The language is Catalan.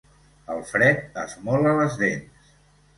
El fred esmola les dents.